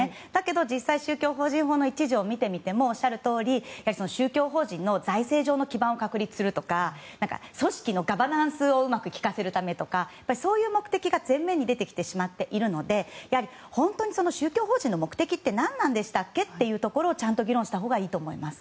実際、宗教法人法の１条を見てみても宗教法人の財政上の基盤を確立するとか組織のガバナンスをうまく効かせるためとかそういう目的が前面に出てきてしまっているので本当に宗教法人の目的って何なんでしたっけというところをちゃんと議論したほうがいいと思います。